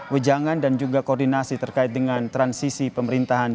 wejangan dan juga koordinasi terkait dengan transisi pemerintahan